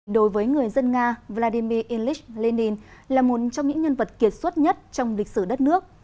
đối với người dân nga vladimir ilyich lenin là một trong những nhân vật kiệt xuất nhất trong lịch sử đất nước